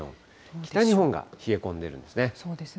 北日本が冷え込んでるんですね。